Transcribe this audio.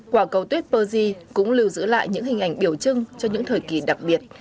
quả cầu tuyết perze cũng lưu giữ lại những hình ảnh biểu trưng cho những thời kỳ đặc biệt